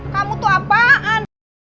kamu tuh apaan